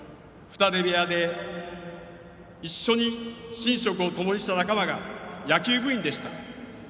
２人部屋で一緒に寝食をともにした仲間が野球部員でした。